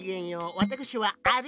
わたくしはアリ。